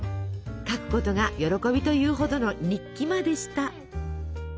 書くことが喜びというほどの日記魔でした。